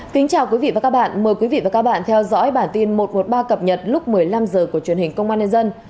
kính chào quý vị và các bạn mời quý vị và các bạn theo dõi bản tin một trăm một mươi ba cập nhật lúc một mươi năm h của truyền hình công an nhân dân